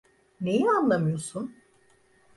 Neyi anlamıyorsun?